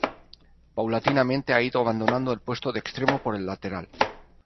Paulatinamente ha ido abandonando el puesto de extremo por el lateral.